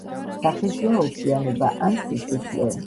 სახეზეა ოფლიანობა ან სიწითლე.